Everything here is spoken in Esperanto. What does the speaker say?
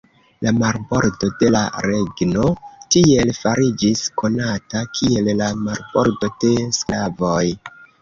La marbordo de la regno tiel fariĝis konata kiel la "Marbordo de sklavoj".